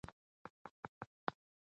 زیارت ته یې ورځه.